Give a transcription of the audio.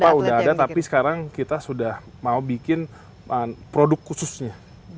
sampah sudah ada tapi sekarang kita sudah mau bikin produk khususnya